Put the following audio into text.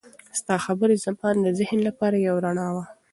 ستا خبرې زما د ذهن لپاره یو رڼا وه.